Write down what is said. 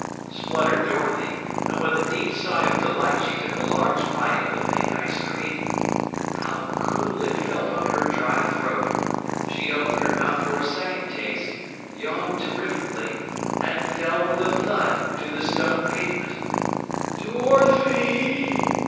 spluttered Dorothy, and with a deep sigh of delight she took a large bite of the pink ice cream. How cool it felt on her dry throat! She opened her mouth for a second taste, yawned terrifically, and fell with a thud to the stone pavement. "Dorothy!"